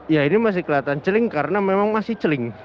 ya ini masih kelihatan celing karena memang masih celing